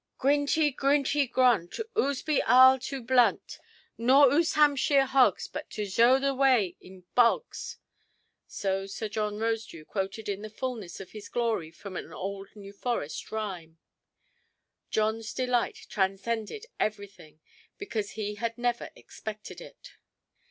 "Grintie, grintie, grunt, Oos be arl tew blunt; Naw oose Hampshire hogs, But to zhow the way in bogs". So John Rosedew quoted in the fulness of his glory from an old New Forest rhyme. Johnʼs delight transcended everything, because he had never expected it.